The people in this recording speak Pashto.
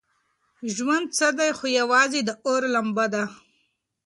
ژوند څه دی خو یوازې د اور لمبه ده.